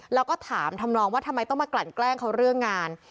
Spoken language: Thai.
แล้วก็ถามทำนองว่าทำไมต้องมากลั่นแกล้งเขาเรื่องงาน